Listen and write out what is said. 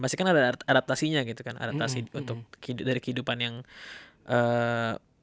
pasti kan ada adaptasinya gitu kan adaptasi untuk dari kehidupan yang bujang gitu kan